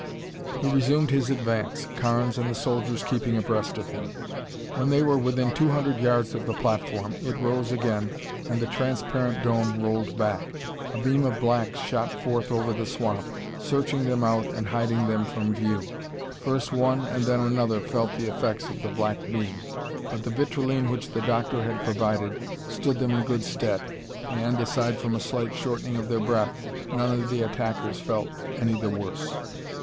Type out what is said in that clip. He resumed his advance, Carnes and the soldiers keeping abreast of him. When they were within two hundred yards of the platform it rose again and the transparent dome rolled back. A beam of black shot forth over the swamp, searching them out and hiding them from view. First one and then another felt the effects of the black beam; but the vitrilene which the Doctor had provided stood them in good stead, and, aside from a slight shortening of their breath, none of the attackers felt any the worse.